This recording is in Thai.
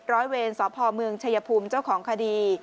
ร้อยเวรสพเมืองชายภูมิเจ้าของคดี